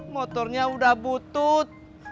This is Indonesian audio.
motornya udah butut